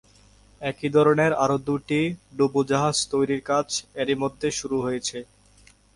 একই ধরনের আরও দুটি ডুবোজাহাজ তৈরির কাজ এরই মধ্যে শুরু হয়েছে।